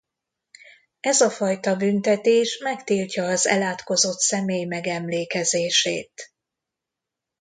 Ez a fajta büntetés megtiltja az elátkozott személy megemlékezését.